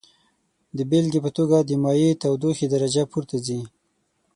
د بیلګې په توګه د مایع تودوخې درجه پورته ځي.